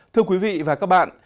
thưa quý vị và các bạn